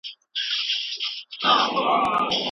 ولي ځايي واردوونکي کیمیاوي سره له ایران څخه واردوي؟